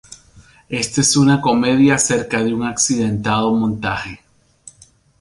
Esta es una comedia acerca de un accidentado montaje.